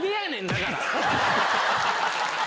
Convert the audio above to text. だから。